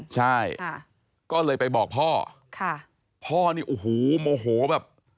ใช่ก็เลยไปบอกพ่อค่ะพ่อนี่โอ้โหโมโหแบบ